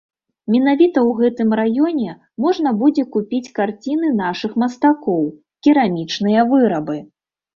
Менавіта ў гэтым раёне можна будзе купіць карціны нашых мастакоў, керамічныя вырабы.